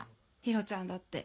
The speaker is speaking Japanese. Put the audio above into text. ヒロちゃんだって。